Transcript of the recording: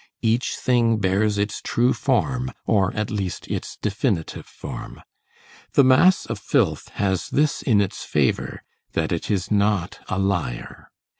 Each thing bears its true form, or at least, its definitive form. The mass of filth has this in its favor, that it is not a liar.